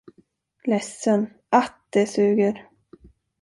Ledsen, att det suger.